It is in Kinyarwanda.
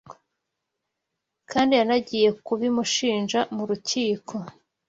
kandi yanagiye kubimushinja mu rukiko